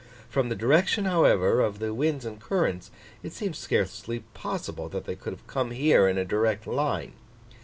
From the direction, however, of the winds and currents, it seems scarcely possible that they could have come here in a direct line.